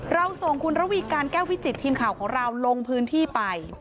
เราส่งคุณระวีการแก้ววิจิตทีมข่าวของเราลงพื้นที่ไป